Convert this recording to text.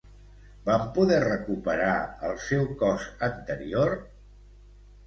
Van poder recuperar el seu cos anterior?